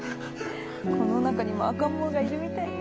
この中にも赤ん坊がいるみたいね。